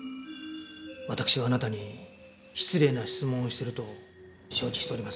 わたくしはあなたに失礼な質問をしてると承知しております。